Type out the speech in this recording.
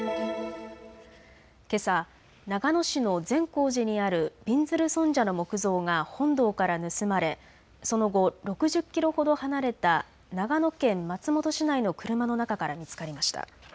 けさ長野市の善光寺にあるびんずる尊者の木像が本堂から盗まれその後、６０キロほど離れた長野県松本市内の車の中から見つかりました。